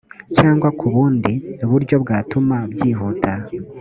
cyangwa ku bundi buryo bwatuma byihuta